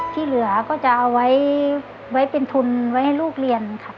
ที่เหลือก็จะเอาไว้เป็นทุนไว้ให้ลูกเรียนค่ะ